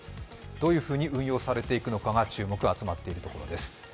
どういうふうに運用されていくかに注目が集まっています。